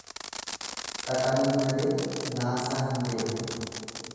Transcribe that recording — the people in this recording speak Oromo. Qaqamii malee laasaa hin beektu.